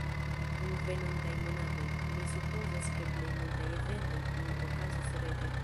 Dum venontaj monatoj, mi supozas ke plej multaj eventoj plu okazos rete.